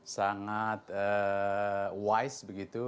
sangat wise begitu